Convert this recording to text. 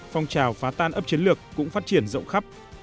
phong trào phá tan ấp chiến lược cũng phát triển rộng khắp